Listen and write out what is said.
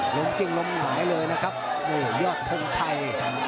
หลงเกยิงหลมหายเลยนะครับยอดพงทัย